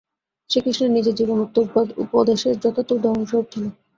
শ্রীকৃষ্ণের নিজের জীবন উক্ত উপদেশের যথার্থ উদাহরণস্বরূপ ছিল।